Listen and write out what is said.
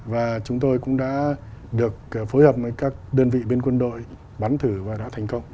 và chúng tôi cũng đã được phối hợp với các đơn vị bên quân đội bắn thử và đã thành công